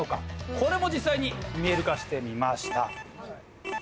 これも実際に見える化してみました。